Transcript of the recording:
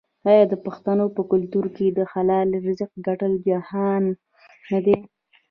آیا د پښتنو په کلتور کې د حلال رزق ګټل جهاد نه دی؟